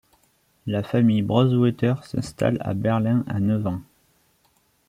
La famille Brausewetter s'installe à Berlin à neuf ans.